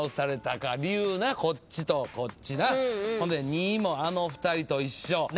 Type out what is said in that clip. ２も「あの２人と一緒」